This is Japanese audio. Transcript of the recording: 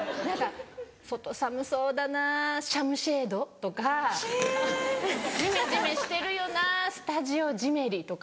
「外寒そうだなシャムシェイド」とか「ジメジメしてるよなスタジオジメリ」とか。